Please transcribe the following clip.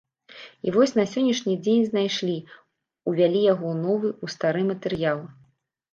І вось на сённяшні дзень знайшлі, увялі яго ў новы, у стары матэрыял.